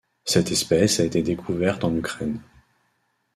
Cette espèce a été découverte en Ukraine.